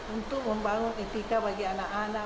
untuk membangun etika bagi anak anak